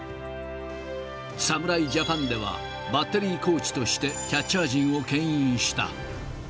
侍ジャパンでは、バッテリーコーチとして、キャッチャー陣をけん引した。